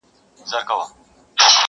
د زړه کور کي مي جانان په کاڼو ولي,